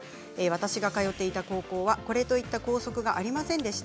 私が通っていた高校はこれといった校則がありませんでした。